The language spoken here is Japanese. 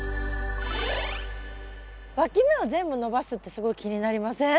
わき芽を全部伸ばすってすごい気になりません？